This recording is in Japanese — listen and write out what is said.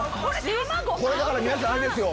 これだから皆さんあれですよ。